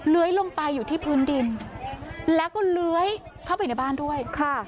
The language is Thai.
ลงไปอยู่ที่พื้นดินแล้วก็เลื้อยเข้าไปในบ้านด้วยค่ะ